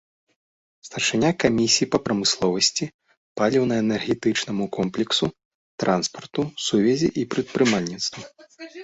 Старшыня камісіі па прамысловасці, паліўна-энергетычнаму комплексу, транспарту, сувязі і прадпрымальніцтву.